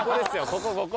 ここここ。